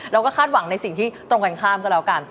เราก็คาดหวังในสิ่งที่ตรงกันข้ามก็แล้วกัน